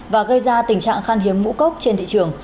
và gây ra tình trạng khan hiếm ngũ cốc trên thị trường